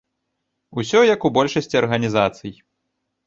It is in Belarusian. Усё як у большасці арганізацый.